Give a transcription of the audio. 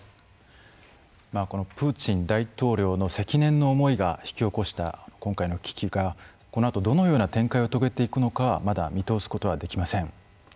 プーチン大統領の積年の思いが引き起こした今回の危機が、このあとどのような展開を遂げていくのかまだ見通すことはできません。